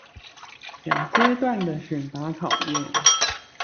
兩階段的選拔考驗